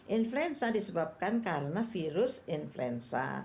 influenza disebabkan karena virus influenza